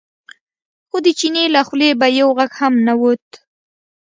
خو د چیني له خولې به یو غږ هم نه ووت.